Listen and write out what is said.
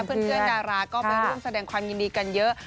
เพื่อนดาราก็ไปร่วมแสดงความยินดีกันเยอะ